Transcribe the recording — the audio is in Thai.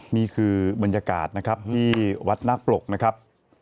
นี่คือบรรยากาศนะครับที่วัดนาคปรกนะครับ